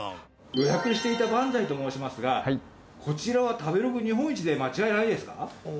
予約していたバンザイと申しますがこちらは食べログ日本一で間違いないですか？